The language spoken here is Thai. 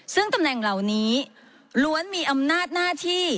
ซึ่งตำแหน่งเหล่านี้ล้วนมีอำนาจหน้าที่